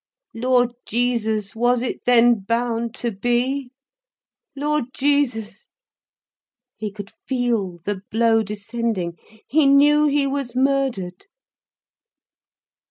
Lord Jesus, was it then bound to be—Lord Jesus! He could feel the blow descending, he knew he was murdered.